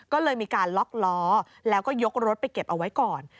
ก็เลยมีการล็อกล้อแล้วก็ยกรถไปเก็บเอาไว้ก่อน